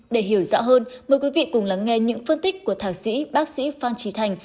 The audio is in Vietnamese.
để hiểu rõ hơn mời quý vị cùng lắng nghe những phân tích của thạc sĩ bác sĩ phan trí thành